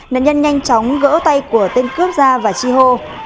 nạn nhân nhanh chóng gỡ tay của tên cướp da và chi hô